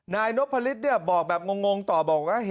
นายนบพลิตเนี่ยบอกแบบงงต่อบอกว่า